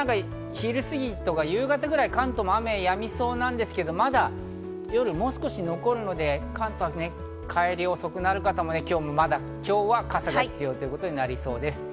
いったん昼過ぎとか夕方くらい、関東で雨がやみそうですが、まだ夜もう少し残るので、関東は帰りが遅くなる方は今日はまだ傘が必要ということになりそうです。